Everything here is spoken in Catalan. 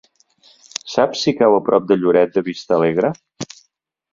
Saps si cau a prop de Lloret de Vistalegre?